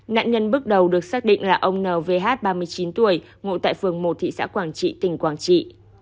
nạn nhân bước đầu được xác định là ông n vh ba mươi chín tuổi ngụ tại phường một thị xã quảng trị tỉnh quảng trị